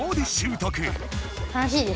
楽しいです。